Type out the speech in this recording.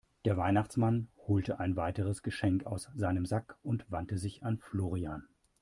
Der Weihnachtsmann holte ein weiteres Geschenk aus seinem Sack und wandte sich an Florian.